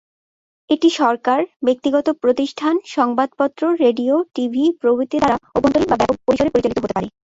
এটি সরকার, ব্যক্তিগত প্রতিষ্ঠান, সংবাদপত্র, রেডিও, টিভি প্রভৃতি দ্বারা অভ্যন্তরীণ বা ব্যপক পরিসরে পরিচালিত হতে পারে।